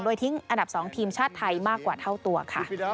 ทิ้งอันดับ๒ทีมชาติไทยมากกว่าเท่าตัวค่ะ